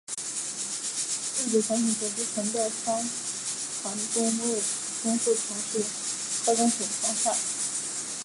日本潜艇所击沉的商船吨位中四成是该种艇创下。